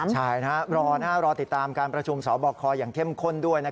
ใช่นะระวังติดตามการประชุมเสาบอกคออย่างเข้มข้นด้วย